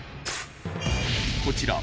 こちら